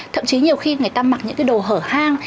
thậm chí nhiều khi người ta mặc những cái đồ hở hang